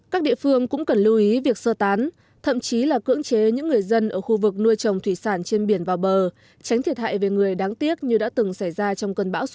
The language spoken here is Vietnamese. các địa phương cũng cần lưu ý việc sơ tán thậm chí là cưỡng chế những người dân ở khu vực nuôi trồng thủy sản trên biển vào bờ tránh thiệt hại về người đáng tiếc như đã từng xảy ra trong cơn bão số năm